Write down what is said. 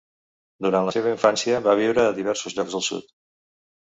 Durant la seva infància, va viure a diversos llocs del sud.